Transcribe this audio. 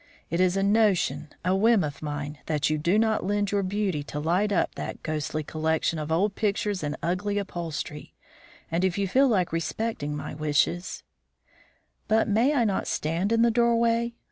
It is a notion, a whim of mine, that you do not lend your beauty to light up that ghostly collection of old pictures and ugly upholstery, and if you feel like respecting my wishes " "But may I not stand in the doorway?"